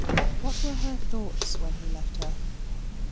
What were her thoughts when he left her?